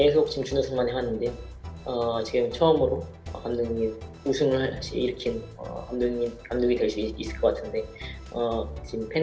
saya sudah datang ke final jadi saya pasti dapat kesempatan